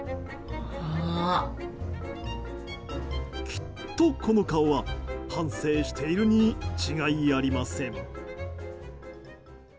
きっと、この顔は反省しているに違いありません。